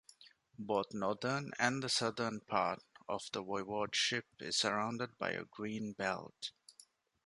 Both northern and southern part of the voivodeship is surrounded by a green belt.